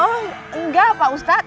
oh engga pak ustadz